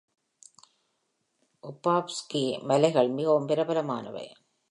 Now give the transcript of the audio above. ஓபாவ்ஸ்கி மலைகள் மிகவும் பிரபலமானவை.